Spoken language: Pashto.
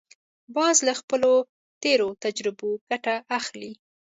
باز له خپلو تېرو تجربو ګټه اخلي